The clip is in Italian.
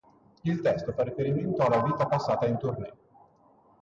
Il testo fa riferimento alla vita passata in tournée.